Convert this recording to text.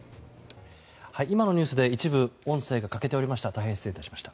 今のニュースで一部、音声が欠けておりました。